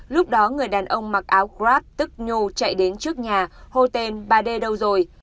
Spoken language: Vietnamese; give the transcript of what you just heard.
lúc đó người đàn ông mặc áo grab tức nhô chạy đến trước nhà hô tên ba d đâu rồi